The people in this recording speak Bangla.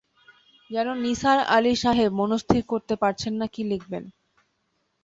যেন নিসার আলি সাহেব মনস্থির করতে পারছেন না কী লিখবেন।